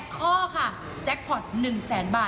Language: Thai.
ข้อค่ะแจ็คพอร์ต๑แสนบาท